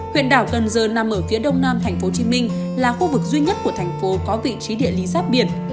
huyện đảo cần giờ nằm ở phía đông nam tp hcm là khu vực duy nhất của thành phố có vị trí địa lý giáp biển